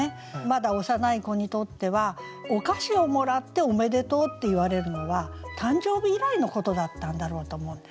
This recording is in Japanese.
まだ幼い子にとってはお菓子をもらっておめでとうって言われるのは誕生日以来のことだったんだろうと思うんですね。